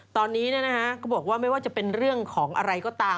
ตอนนี้ก็บอกว่าไม่ว่าจะเป็นเรื่องของอะไรก็ตาม